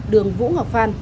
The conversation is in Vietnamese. đường vũ ngọc phan